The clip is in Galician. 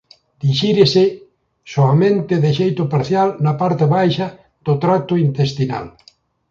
Dixírese soamente de xeito parcial na parte baixa do tracto intestinal.